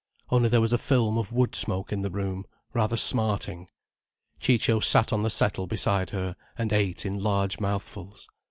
Only there was a film of wood smoke in the room, rather smarting. Ciccio sat on the settle beside her, and ate in large mouthfuls.